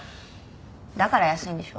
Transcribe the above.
だから安いんでしょ？